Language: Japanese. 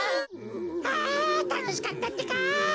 あたのしかったってか！